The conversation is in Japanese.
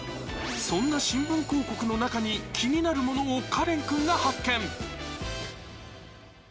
そんな新聞広告の中に気になるものをカレン君が発見